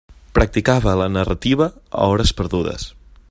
Practicava la narrativa a hores perdudes.